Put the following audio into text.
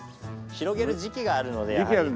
広げる時期があるのでやはり。